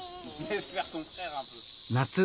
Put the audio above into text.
夏。